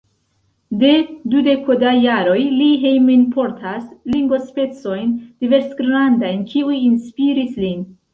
De dudeko da jaroj li hejmenportas lignopecojn diversgrandajn, kiuj inspiris lin.